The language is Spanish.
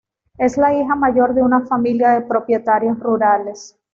Es la hija mayor de una familia de propietarios rurales.